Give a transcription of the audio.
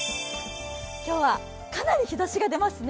今日はかなり日ざしが出ますね。